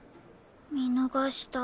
見逃した。